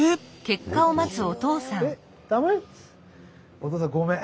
お父さんごめん。